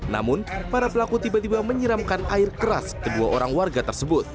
namun para pelaku tiba tiba menyiramkan air keras kedua orang warga tersebut